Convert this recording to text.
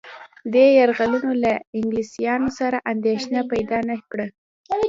دې یرغلونو له انګلیسيانو سره اندېښنه پیدا نه کړه.